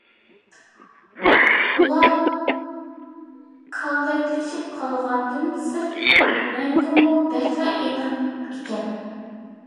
ئۇلار كاللەكلىشىپ قالغاندىن سىرت، رەڭگىمۇ بەكلا قېنىق ئىكەن.